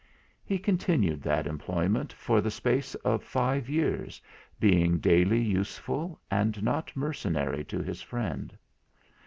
He continued that employment for the space of five years, being daily useful, and not mercenary to his friend.